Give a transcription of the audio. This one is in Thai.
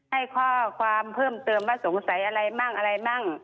ให้ข้อความเพิ่มเติมว่าสงสัยอะไรมั่งอะไรมั่ง